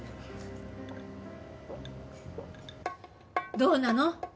どうなの？